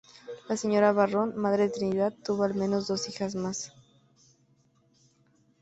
La señora Barrón, madre de Trinidad tuvo al menos dos hijas más.